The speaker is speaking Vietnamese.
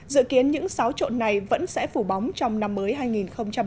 dự kiến những sáu trộn này vẫn sẽ phủ bóng trong năm mới hai nghìn một mươi tám